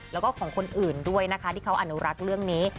แล้วก็ของคนอื่นด้วยนะคะที่เขาอนุรักษ์เรื่องนี้